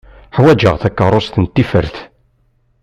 Ḥwaǧeɣ takeṛust n tifert.